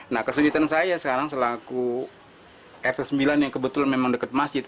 nah kesulitan saya sekarang selaku rt sembilan yang kebetulan memang dekat masjid